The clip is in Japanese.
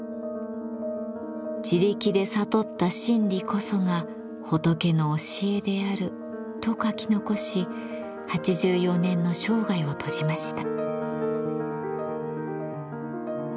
「自力で悟った真理こそが仏の教えである」と書き残し８４年の生涯を閉じました。